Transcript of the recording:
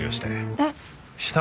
「えっ？」